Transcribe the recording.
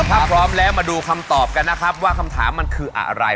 ถ้าพร้อมแล้วมาดูคำตอบกันนะครับว่าคำถามมันคืออะไร